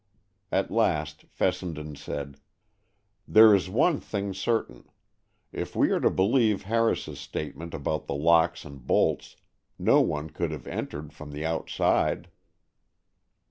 At last Fessenden said, "There is one thing certain: if we are to believe Harris's statement about the locks and bolts, no one could have entered from the outside."